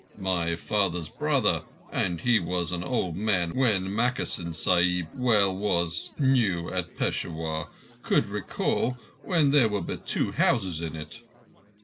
"My father's brother, and he was an old man when Mackerson Sahib's well was new at Peshawur, could recall when there were but two houses in it."